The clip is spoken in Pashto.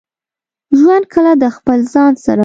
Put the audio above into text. ژوند کله د خپل ځان سره.